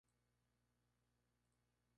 Proviene de la tradición Hindú.